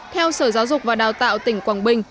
theo sở giáo dục và đào tạo tỉnh quảng bình